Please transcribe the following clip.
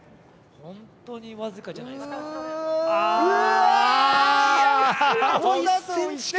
本当に僅かじゃないですか？